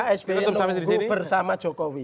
pak s b menunggu bersama jokowi